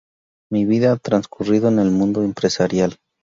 Mi vida ha transcurrido en el mundo empresarial.